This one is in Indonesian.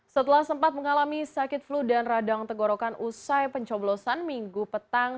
setelah sempat mengalami sakit flu dan radang tenggorokan usai pencoblosan minggu petang